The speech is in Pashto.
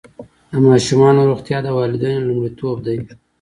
د ماشومانو روغتیا د والدینو لومړیتوب دی.